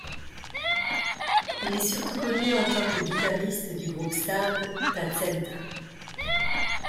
Il est surtout connu en tant que guitariste du groupe sarde Tazenda.